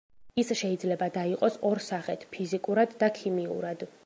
ის შეიძლება დაიყოს ორ სახედ: ფიზიკურად და ქიმიურად.